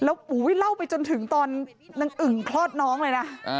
แล้วเล่าไปจนถึงตอนนางอึ่งคลอดน้องเลยนะ